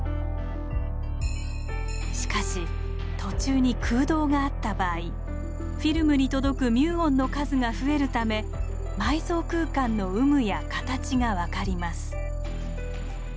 しかし途中に空洞があった場合フィルムに届くミューオンの数が増えるため埋葬空間の有無や形が分かります。